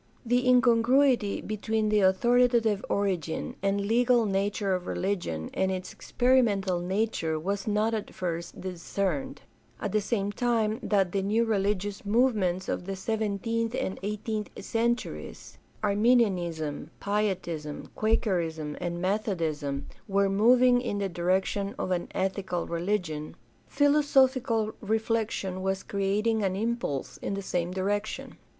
The incongruity between the authoritative origin and legal nature of religion and its experimental nature was not at first discerned. At the same time that the new religious movements of the seventeenth and eighteenth centuries — ^Arminianism, Pietism, Quakerism, and Methodism — were moving in the direction of an ethical religion, philosophical reflection was 472 GUIDE TO STUDY OF CHRISTIAN RELIGION creating an impulse in the same direction.